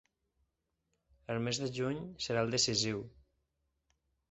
El mes de juny serà el decisiu.